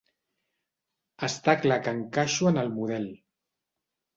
Està clar que encaixo en el model.